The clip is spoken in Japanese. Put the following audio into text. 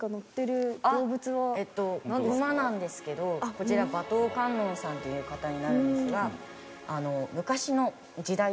こちら馬頭観音さんという方になるんですが。